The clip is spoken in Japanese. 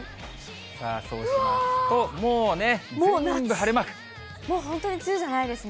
そうしますと、もうね、全部晴れもう本当に梅雨じゃないです